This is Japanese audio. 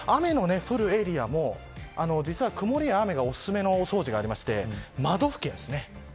ただ、雨の降るエリアも実は曇りや雨がおすすめのお掃除があって、窓拭きです。